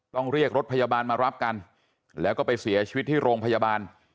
เรียกรถพยาบาลมารับกันแล้วก็ไปเสียชีวิตที่โรงพยาบาล